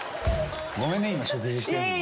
ごめんね今食事してんのに。